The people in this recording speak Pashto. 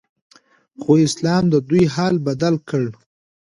خو اسلام ددوی حال بدل کړ